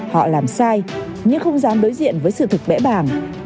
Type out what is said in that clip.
họ làm sai nhưng không dám đối diện với sự thực bãi bàng